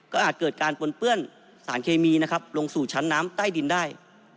ก็อาจเกิดการปนเปื้อนสารเคมีนะครับลงสู่ชั้นน้ำใต้ดินได้